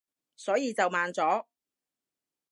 所以就慢咗